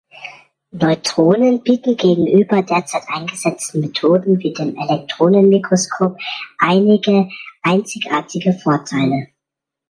Neutronen bieten gegenüber derzeit eingesetzten Methoden wie dem Elektronenmikroskop einige einzigartige Vorteile.